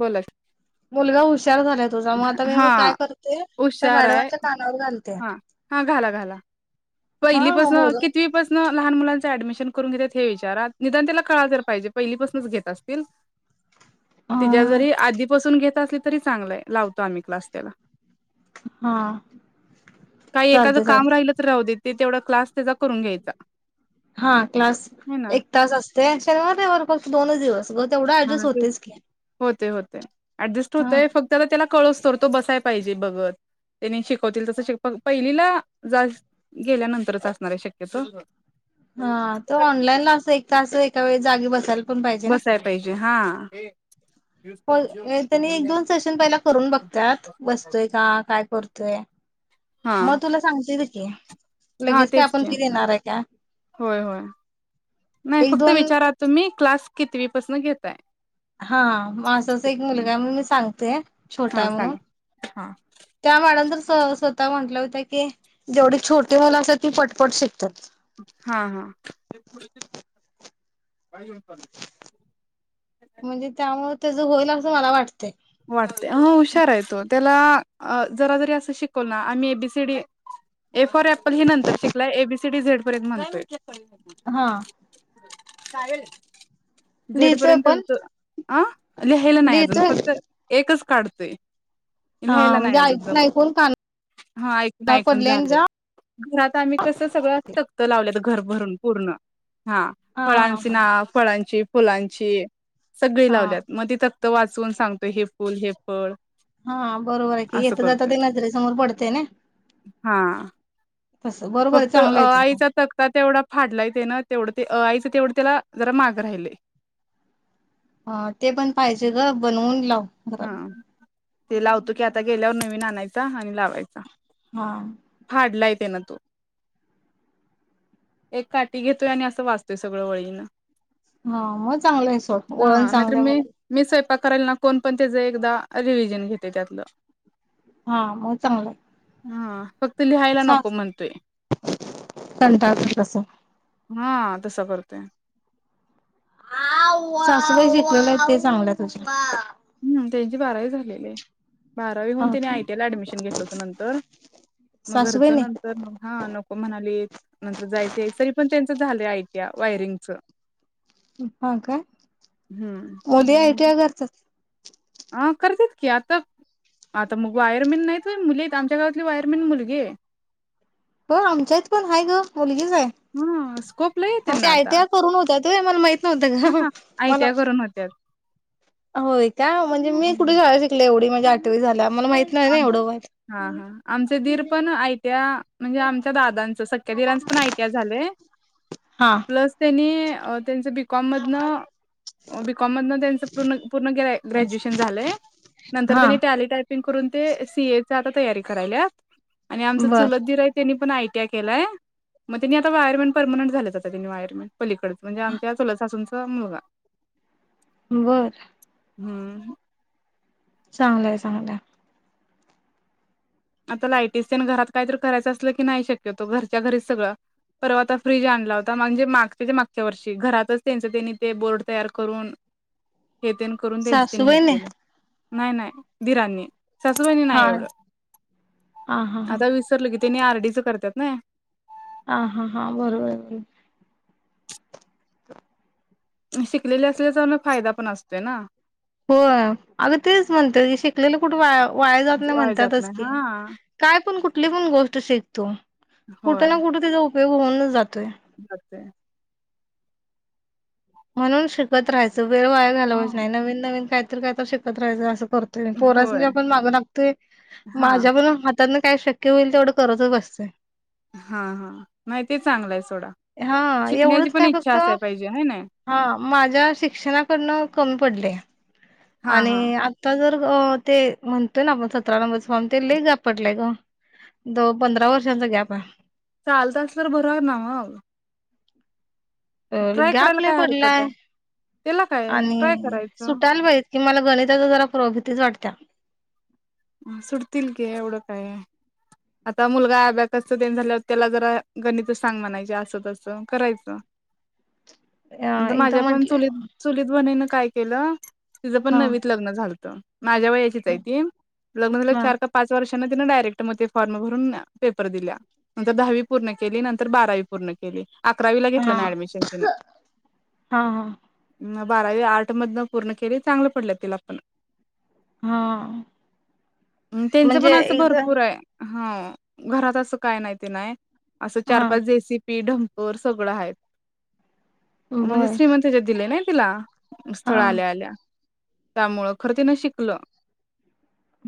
बोला कि मुलगा विचार झाला तुझा, मग आता मी हा म काय करते त्या हुशार आहे मॅडमाच्या कानावर घालते. हा हा घाला घाला हा मग पहिलीपासन, बोल कितवीपासन लहान मुलां ऍडमिशन करून घेत्यात हे विचारा निदान तिला कळाय तर पाहिजे पहिलीपासूनच घेत असतील. अ तिच्या जरी आधीपासून घेत असली तरी चांगलाय लावतो, आम्ही क्लास त्याला. हा काही एखादं चालते काम चालते राहिलं तर राहु देत ते तेवढा क्लास त्याचा करून घ्यायचा. हा, क्लास हे ना एक तास असतय. शनिवार, रविवार फक्त दोनच दिवस ग तेवढ ऍडजस्ट होतेयच की. ते होतय. ऍडजस्ट हा होतंय फक्त त्याला कळूस तोवर तो बसाय पाहिजे बघत. त्यानी शिकवतील तसं शिकल पहिलीला जा गेल्यानंतरच असणार आहे शक्यतो. हा, तो ऑनलाईन ला अस एक तास एका वेळी जागी बसायला पण पाहिजे ना. बसाय पाहिजे हा. होय, त्यांनी एक, दोन सेशन पहिला करून बघत्यात. बसतोय का? काय करतोय? हा मग तुला सांगतील की. हा लगेच काय तेच आपण की. फी देणार आहे का होय, होय! नाही एक फक्त दोन विचारा, तुम्ही क्लास कितीवीपासून घेताय? हा, असं एक मुलगा आहे मी सांगतेय छोटा हा असे म्हणून सांगा हा त्या मॅडम तर स स्वतः म्हणत- होत की जेवढी छोटी मुलं असत्यात ती पटपट शिकत्यात. हा हा म्हणजे त्यामुळे त्या ज होईल अस मला वाटत वाटते हुशार येतो त्याला जरा जरी असं शिकव ना आम्ही एबीसीडी ए फॉर पल ही नंतर शिकलाय एबीसीटी झेडपर्यंत मानतोय हा काल लिहितोय पण झेडपर्यंत अ लिहायला नाही अजून लिहितोय फक्त काढतय हा लिहायला म्हणजे नाही ऐकून अजदम ऐकून कानावर हा ऐकून ऐकून पडले आणि झालंय जा घरात आम्ही कस सगळंक्त लावलं घर भरून पूर्ण हा फळांची ना फळांची फुलांची सगळे हा लावल्यात मग त फक्त वाचवून सांगतो हे फुल हे फळ हा बरोबर आहे कि असं येत जात करतोय ते नजरेसमोर पडतेय ना हा तसं बरोबर आहे फक्त चांगलं अ आहे ते पण आईचा तकता तेवढा फाडला येते ना तेवढं ते आईच तेवढे त्याला जरा माग राहिले हा ते पण पाहिजे ग बनवून लाव घरात हा ते लावतो की आता गेल्यावर नवीन आणायचा आणि लावायचा हा डलाय ना तो एक काठी घेतोय आणि असं वाचतोय सगळं वळीनं हा मग चांगलं आहे सो वओळण चांगलंय मुलाला प कला ना कोण पण त्याच एकदा रिव्हजन घेते त्यातलं हा मग चांगलं आहे हा फक्त लिहायला नको म्हणतोय कंटाळत तसं हा तसं करतोय सासूबाई शिकलेलं आहे ते चांगलं तुझ्या हम्म त्यांची बारावी झालेली आहे बारावी होून हा त्यांने का आयटी ला ऍडमिशन घेतलं होतं नंतर मग सासूबाई घरचं नाही नंतर मग हा नको म्हणाली नंतर जायचं सरी पण त्यांच झालं आयट्या वायरिंगच हा काय हम्म मुले आहेत हम्म. का हा कर देत कीता आता मग वायरमन नाहीत मुली आमच्या घरवातली वायरमन मुलगी आहे हो आमच्यात पण आहे ग मुलगीच आहे हा स्कोप लय आहे ह ते त्यांना य आता ते करून होत ते मला माहित नव्हतं हा का आयटीआय मला करून [unintelligible] होय का म्हणजे मी कुठे हं. शाळा शिकले एवढी म्हणजे आठवी झाल्या मला माहित नाही ना एवढं माहित हा हा आमचे दीर पण य त्या्या म्हणजे आमच्या दादांच स दिराचा पण आयटीआय झाले हा प्लस बिझनेस कमदनं बीकॉमध त्यांच पूर्ण ग्रॅज्युएशन झालंय नंतर हा त्यांनी टॅटायपिंग ी आ तरी क आम च बर पण आयटीआय केलाय मग तिनी आता वायरमेट परमनं झाले त्यांिनी वायरमेंट पलीकडच म्हणजे आमच्या चुला सासूनचा मुलगा वर हम्म चांगलंय चांगलंय आता लायटीस आणि घरात काहीतरी करायचं असलं की नाही शक्यतो घरच्या घरीच सगळं परवा आता फ्रीज आणला होता म्हणजे मागच्या ते मागच्या वर्षी घरातच त्यांच त्यांनी ते बोर्ड तयार करून [inaudible] हे तेन करून त्यांच त्यांनी हे सासूबाई नाही केलं. नाही नाही दीरांनी, सासुबाईणी नाही हा एवढं हा हा हा.. आर डी च करत्यात नाही. हा हा हा बरोबर बरोबर. शिकलेले असल्याचा तर मग फायदा पण असतोय ना. होय अगं तेच म्हणतोय शिकलेलं कुठे वाया जात नाही वाया जात म्हणतातच नाही की, हा काय पण कुठ कुठली पण गोष्ट शिक तु कुठे ना कुठे त्याचा उपयोग होऊनच जातोय. जातोय. म्हणून शिकत राहायचं. वेळ वाया घालवायच नाही. नवीन नवीन काहीतर काहीतर शिकत राहायचं असं करतोय पोरासनी होय आपण माग लागतोय, हा माझ्या पण त्यांना काय शक्य होईल तेवढं करतच बसतय. हा हा माहितीहाय चांगलंच. हा एवढंच काय फक्त पाहिजे हाय ना हा माझ्या शिक्षणाकडनं कमी पडलय हा हा आणि आताच ते म्हणतोय ना आपण सतरा नंबरच फॉर्म ते लयच लांब पडलाय ग. द पंधरा वर्षांचा गॅप आहे. चालत असल तर भरूया ना मग हो ट्राय गॅप करायला लय काय हरकत पडलाय. आहे त्याला काय आणि ट्राय करायचं सुटायला पाहिजेत कि मला गणिताच जरा भितीच वाटत्या. सुटतील की एवढं काय आता मुलगा अब्याकस तेन झाल्यावर त्याला जरा गणित सांग म्हणायची अस तसं करायचं. अ एकदा माझ्या पण म्हंटले चुलीत चुलीत बन काय केलं तिचं पण हा नवीच लग्न झालंत. माझ्या वयाचीच आहे हा ती लग्न झाल्यावर चार का पाच वर्षांन तिंन डायरेक्ट मग फॉर्म भरून पेपर दिल्या, नंतर दहावी पूर्ण केली, नंतर बारावी पूर्ण केली. अकरावीला हा घेतलं ना ऍडमिशन तिन? हा हा बारावी आर्ट मधनं पूर्ण केली, चांगलं पडलं तिला पण हा त्यांचं म्हणजे पण असं एकदा भरपूर आहे. ह घरात असं काय नाही ते नाही, असं चार हा पाच देसी पी ढमपर सगळं हाय. म्हणजे बर श्रीमंत हेच्यात दिलयं नाही तिला हा स्थळ आल्या आल्या? त्यामुळं खरं तिन शिकलं.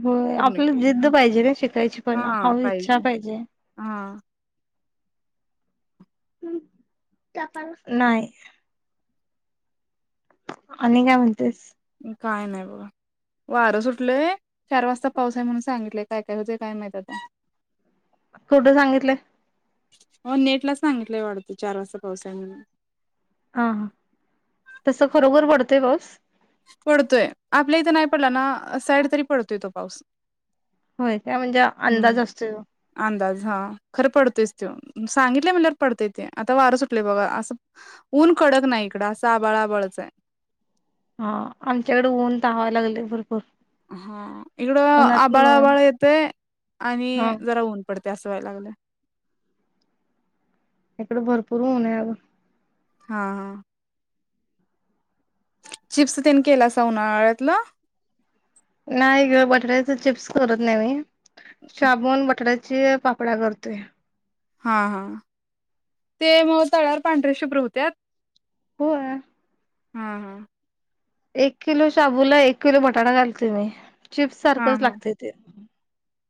हो पूर्ण आपला केली जिद्द हा पाहिजे ना, शिकायची पण ह इच्छा पाहिजे. हा. हम ताप आलास नाही. आणि काय म्हणतेस? काय नाही बघा. वारं सुटलंय चार वाजता पाऊस आहे म्हणून, सांगितलंय काय काय होतेय काय माहित आता. कुठं सांगितलं? हो नेटला सांगितलंय वाढतं चार वाजता पाऊस हाय म्हणून. हा हा तस खरोखर पडतोय पाऊस? पडतोय आपल्या इथं नाही पडला ना, साईड तरी पडतोय अ तो पाऊस. होय, त्या म्हणजे अंदाज हम्म असतो ओ. अंदाज हा खरं पडतोयच तो सांगितले म्हणल्याव पडतय ते आता वारं सुटलयं बघा अस ऊन कडक नाही इकड असं आभाळ आभाळचं आहे. ह आमच्याकडे ऊन तावाय लागलंय भरपूर. हा इकडं आभाळ उन्हातन आभाळ येतेयं, आणि हा जरा ऊन पडतयं. ते अस व्हाय लागलयं. इकड भरपूर ऊन हाय बघ. हा हा. चिप्स तेन केलासा उन्हाळ्यातल? नाही ग बटाट्याचे चिप्स करत नाही मी. शाबू आन बटाट्याची पापड्या करतोय. हा हा.. ते मग तळ्यावर पांढरे शुभ्र होत्यात? होय. हां हां. एक किलो शाबूला एक किलो बटाटा घालते मी. चिप्स हा सारखंच हा लागतय ते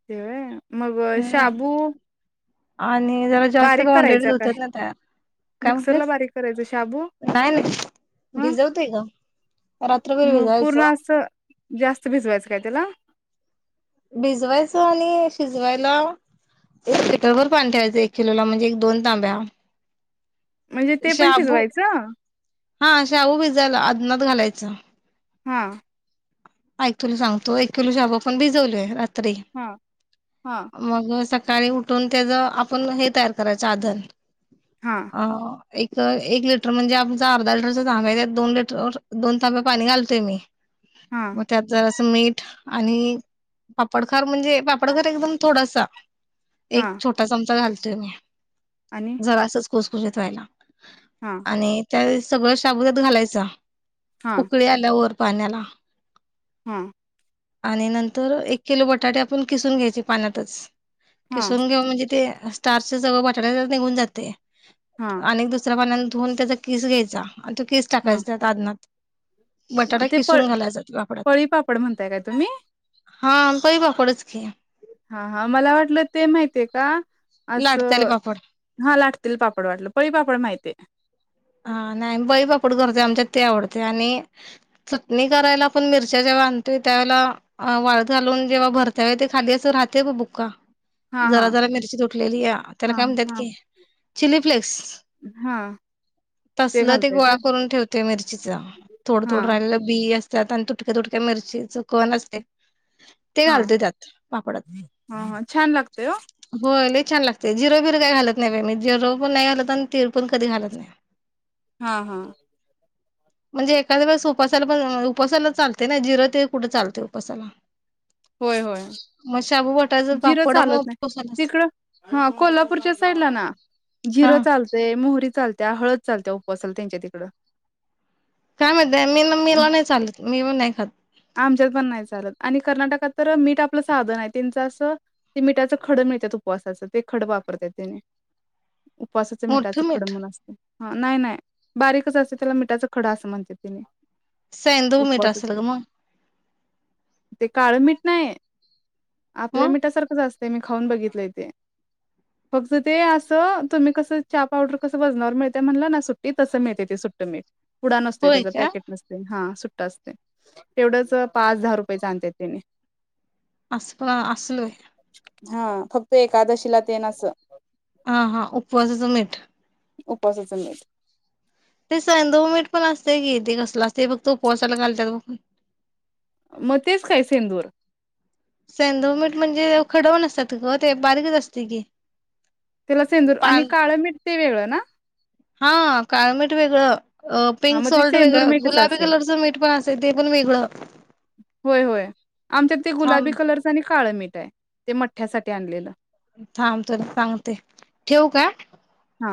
ते वय मग हम्म शाबू आणि जरा जास्त का बारीक कॉनडेटीत करायचा काय होत्यात नाही त्या. काय मिक्सरला म्हटलीस. बारीक करायचं शाबू नाही नाही ह भिजवतोय का? मग पूर्ण असं जास्त भिजवायचं काय त्याला? भिजवायचं आणि शिजवायला एक लिटर वर पाणी ठेवायचं एक किलोला म्हणजे एक दोन तांब्या. म्हणजे ते पण शाबू शिजवायचं हा शाबू भिजायला आदनात घालायच हां. ऐक तुला सांगतो एक किलो शाबु आपण भिजवलोय रात्री हा हा मग सकाळी उठून त्याच आपण हे तयार करायचं आदन हा अ... एक, एक लिटर म्हणजे आमचा अर्धा लिटरचा ताम्बया आहे त्यात दोन लिटर दोन तांबे पाणी घालतोय मी हा मग त्यात जरास मीठ आणि पापडखार म्हणजे पापडखार एकदम थोडासा, एक हा छोटा चमचा घालतोय मी, आणि जरासच खुसखुशीत व्हायला हा आणि त्या सगळं शाबू त्यात घालायच. हा उकळी आल्या वर पाण्याला. हां. आणि नंतर एक किलो बटाटे आपण किसून घ्यायचे पाण्यातच हा किसून घेऊन म्हणजे ते स्टार्च जवळ बटाटयातंन निघून जातय. हा आणि एक दुसऱ्या पाण्यान धुऊन, त्याचा किस घ्यायचा आणि तो केिस हा. टाकायचा त्या आदनात. हा बटाटा ते प किसून घालायचा पापडात. पळी पापड म्हणताय काय तुम्ही हा पळी पापडच की हा हा, मला वाटलं ते माहितीये का? लाटत्याले आसं पापड हा लाटतेल पापड वाटल. पळी पापड माहतीेए. हा नाही पळीपापड करतोय, आमच्यात ते आवडतय आणि चटणी करायला पण मिरच्या ज्या आणतोय त्यावेळेला वाळत घालून, जेव्हा भरताव ते खाली असं राहतय बघ बुक्का.. हा जरा हा जरा मिरची तुटलेली या, त्याला हा काय म्हणतात हा की, चिली फ्लेक्स हा. तसल ते घालताय गोळा तर करून ठेवते मिरचीच, थोडं हा थोडं राहिलेलं बी अस. त्यात आणि तुटक्या तुटक्या, मिरचीच कण असतय ते हा घालतोय त्यात, पापडात हा हा छान लागतय ओ होय छान लागतय, जिर बीर काही घालत नाही, मी जिर पण नाही घालत आणि तीळ पण कधी घालत नाही. हा हा. म्हणजे एखाद्या वेळेस उपासाला पण, उपासाला चालतय ना, जिर तीळ कुठ चालतय उपासाला? होय होय. मग शाबू बटाचं जिरं पापड मग चालत नाही उपासालाच तिकडं, हा कोल्हापूरच्या साईडला ना हा. जिरं चालते मोहरी चालत्या हळद चालत्या उपवासाला त्यांच्या तिकडं. काय माहित बाय, मी मिला नाही चालत मी बी नाही खात. आमच्यात पण नाही चालत, आणि कर्नाटकात तर मीठ आपलं साध नाय त्यांच असं मिठाच खड असत्यात उपवासाच ते खड वापरत तेनी उपवासाच मिठाच मोठं खडं मीठ म्हणून असतंयं. हा नाही नाही बारीकच असते, त्याला मिठाचा खडा असं म्हणत्यात तेनी. संधव मीठ असलं ग मग. ते काळं मीठ नाही, आपल्या मग मिठासारखंचं अस ते मी खाऊन बघितलंय ते. फक्त ते असं तुम्ही कसं चहा पावडर कसं वजनावर मिळते म्हणलं, ना सुट्टी तस मिळतयं ते सुट्ट मीठ. पुडा नसतो, होय त्याच का पॅकेट नसते हा सुट्टा असतयं. तेवढंच पाच दहा रुपयेच आणत तेनी. अस असलोय. हा फक्त एकादशीला तेन अस. हा हा उपवासाचं मीठ. उपवासाचं मीठ. ते सैंधव मीठ पण असतेय कि, तेे कसल असतय फक्त तो उपसाला घालतात बघ. मग तेच काय सैंधव. सैंधव मीठ म्हणजे, खडा वा नसतात ग ते बारीकच असते की. त्याला सैंधव आणि पान काळं मीठ ते वेगळं ना? हा काळ मीठ वेगळं अ हां पिंक मग ते सॉल्ट सेंदूर वेगळं, मीठच गुलाबी असल. कलरचं मीठ पण असतयं ते पण वेगळं. होय होय, आमच्यात ते थांब गुलाबी कलरच आणि काळं मीठ हाय ते मठ्ठयासाठी आणलेलं. थांब चल सांगते ठेवू काय? हा